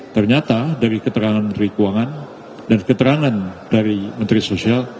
ternyata dari keterangan menteri keuangan dan keterangan dari menteri sosial